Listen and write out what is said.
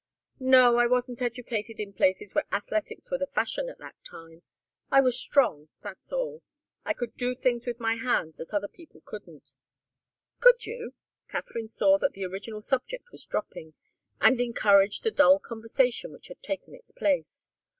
"No I wasn't educated in places where athletics were the fashion at that time. I was strong that's all. I could do things with my hands that other people couldn't." "Could you?" Katharine saw that the original subject was dropping, and encouraged the dull conversation which had taken its place.